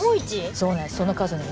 そうなんです。